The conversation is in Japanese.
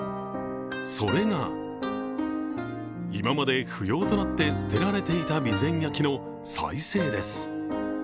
それが、今まで不要となって捨てられていた備前焼の再生です。